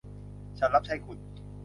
ฉันรับใช้คุณ